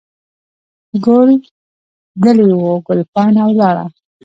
ګل دلې وو، ګل پاڼه ولاړه.